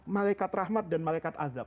malaikat rahmat dan malaikat azab